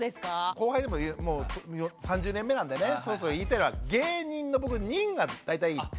後輩にも言う３０年目なんでねそろそろ言いたいのは芸人の「人」が大体いい。